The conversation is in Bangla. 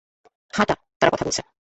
হাঁটা, তারা কথা বলছে।